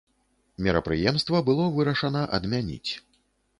Мерапрыемства было вырашана адмяніць.